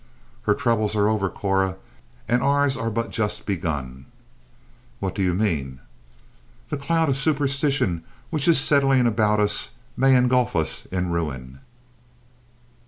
"Her troubles are over, Cora, and ours are but just begun." "What do you mean?" "This cloud of superstition which is settling about us may engulf us in ruin."